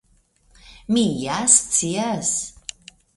Mi ja scias.